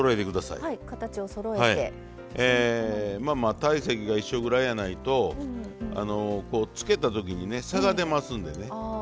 まあまあ体積が一緒ぐらいやないとつけた時にね差が出ますんでね。